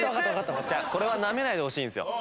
これはなめないでほしいんですよ。